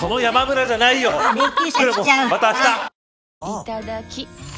いただきっ！